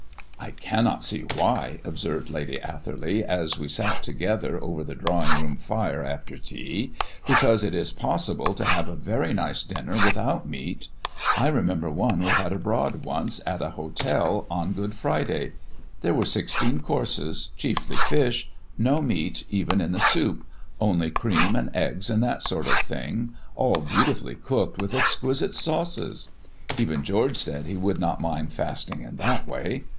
"I cannot see why," observed Lady Atherley, as we sat together over the drawing room fire after tea, "because it is possible to have a very nice dinner without meat. I remember one we had abroad once at an hotel on Good Friday. There were sixteen courses, chiefly fish, no meat even in the soup, only cream and eggs and that sort of thing, all beautifully cooked with exquisite sauces. Even George said he would not mind fasting in that way.